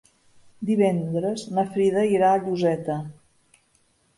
Divendres na Frida irà a Lloseta.